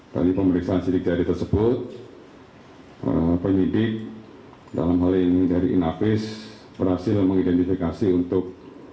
dari pemeriksaan sidik jari tersebut penyidik dalam hal ini dari inavis berhasil mengidentifikasi untuk